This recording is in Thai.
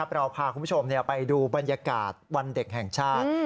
เราพาคุณผู้ชมไปดูบรรยากาศวันเด็กแห่งชาติ